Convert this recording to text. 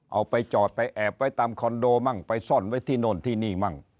เอาไปจอดไปแอบไว้ตามคอนโดมั่งไปซ่อนไว้ที่โน่นที่นี่มั่ง